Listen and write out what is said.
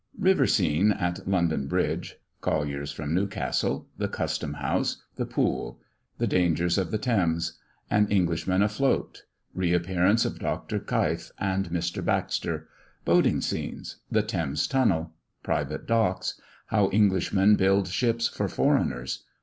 RIVER SCENE AT LONDON BRIDGE. COLLIERS FROM NEWCASTLE. THE CUSTOM HOUSE. THE POOL. THE DANGERS OF THE THAMES. AN ENGLISHMAN AFLOAT. RE APPEARANCE OF DR. KEIF AND MR. BAXTER. BOATING SCENES. THE THAMES TUNNEL. PRIVATE DOCKS. HOW ENGLISHMEN BUILD SHIPS FOR FOREIGNERS.